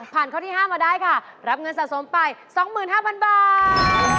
ข้อที่๕มาได้ค่ะรับเงินสะสมไป๒๕๐๐๐บาท